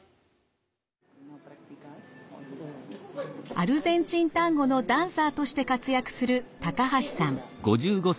アルゼンチンタンゴのダンサーとして活躍する高橋さん。